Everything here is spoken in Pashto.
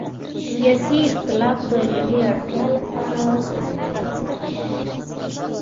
سیاسي اختلاف د ملي اړتیا لپاره ضروري رحمت ده.